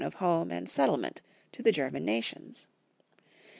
27 of home and settlement to the German nations.